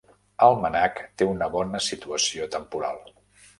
El MNAC té una bona situació temporal.